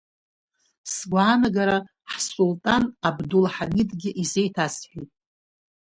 Сгәаанагара Ҳсултан Абдулҳамидгьы изеиҭасҳәеит.